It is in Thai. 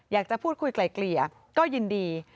อยากจะพูดคุยไกลก็ยินดี